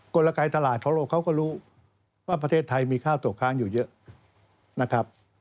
กลไกตลาดของโลกเขาก็รู้ว่าประเทศไทยมีข้าวตกค้างอยู่เยอะนะครับ